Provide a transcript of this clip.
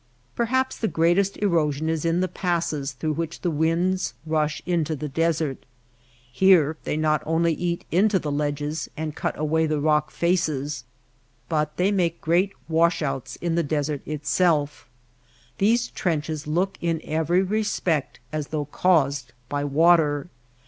Perhaps the greatest erosion is in the passes through which the winds rush into the desert. Here they not only eat into the ledges and cut away the rock faces, but they make great wash outs in the desert itself. These trenches look in every respect as though caused by water.